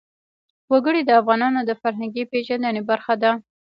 وګړي د افغانانو د فرهنګي پیژندنې برخه ده.